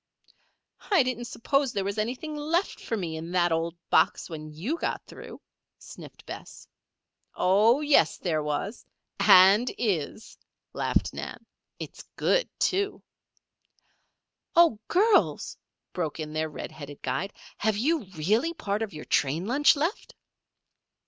"I didn't suppose there was anything left for me in that old box when you got through," sniffed Bess. "Oh, yes there was and is," laughed Nan. "It's good, too." "Oh, girls!" broke in their red headed guide. "Have you really part of your train lunch left?"